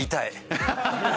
ハハハハ。